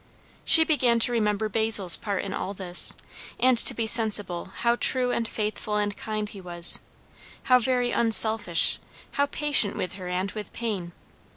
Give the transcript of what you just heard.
She began to remember Basil's part in all this, and to be sensible how true and faithful and kind he was; how very unselfish, how patient with her and with pain.